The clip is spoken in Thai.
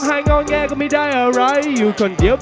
พักกันสักครู่นะครับ